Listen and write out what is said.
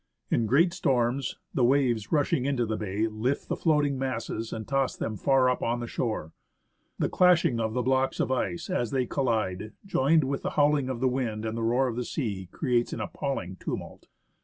In great storms, the waves, rushing into the bay, lift the floating masses, and toss them far up on the shore. The clashing of the blocks of ice, as they collide, joined with the howling of the wind and the roar of the sea, creates an appalling tumult.